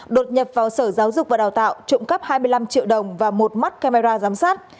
đột nhập vào sở giáo dục và đào tạo trộm cắp hai mươi năm triệu đồng và một mắt camera giám sát